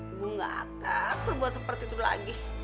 ibu gak akan berbuat seperti itu lagi